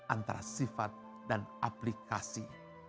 antara sifat dan aplikasi